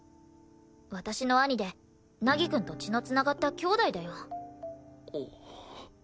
私の兄で凪くんと血の繋がった兄弟だよ。